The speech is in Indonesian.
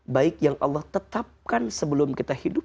baik yang allah tetapkan sebelum kita hidup